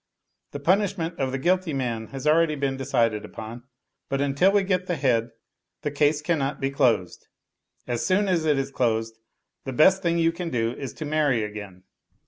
] The punishment of the guilty man has been already de cided upon, but until we get the head, the case cannot be closed. As soon as it is closed, the best thing you can do is to marry again.